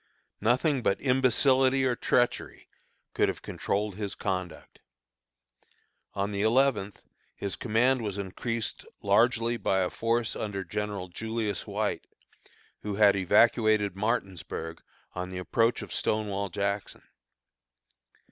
Nothing but imbecility or treachery could have controlled his conduct. On the eleventh his command was increased largely by a force under General Julius White, who had evacuated Martinsburg on the approach of Stonewall Jackson.